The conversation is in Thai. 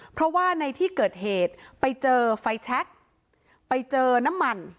เพราะว่าในที่เกิดเหตุไปเจอไฟแชคไปเจอน้ำมัน